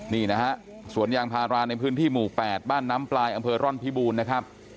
นี่นะฮะสวนยางพาราในพื้นที่หมู่๘บ้านน้ำปลายอำเภอร่อนพิบูรณ์นะครับ